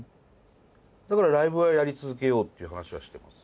だからライブはやり続けようって話はしてます。